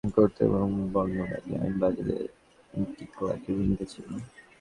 ম্যান্ডেলাকে কারাগার থেকে মুক্ত করতে এবং বর্ণবাদী আইন বাতিলে ডিক্লার্কের ভূমিকা ছিল।